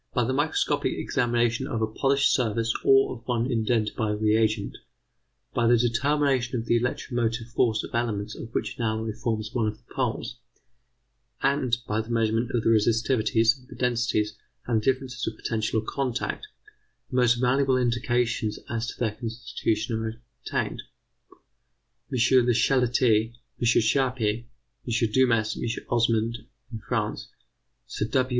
By the microscopic examination of a polished surface or of one indented by a reagent, by the determination of the electromotive force of elements of which an alloy forms one of the poles, and by the measurement of the resistivities, the densities, and the differences of potential or contact, the most valuable indications as to their constitution are obtained. M. Le Chatelier, M. Charpy, M. Dumas, M. Osmond, in France; Sir W.